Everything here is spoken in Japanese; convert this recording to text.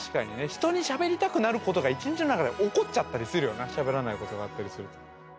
人にしゃべりたくなることが１日の中で起こっちゃったりするよなしゃべらないことがあったりすると。